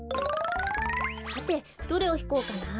さてどれをひこうかな。